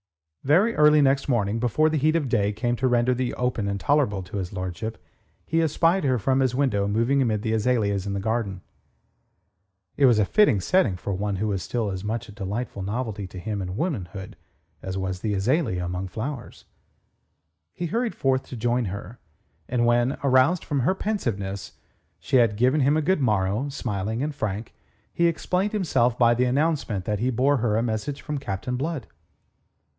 Very early next morning, before the heat of the day came to render the open intolerable to his lordship, he espied her from his window moving amid the azaleas in the garden. It was a fitting setting for one who was still as much a delightful novelty to him in womanhood as was the azalea among flowers. He hurried forth to join her, and when, aroused from her pensiveness, she had given him a good morrow, smiling and frank, he explained himself by the announcement that he bore her a message from Captain Blood.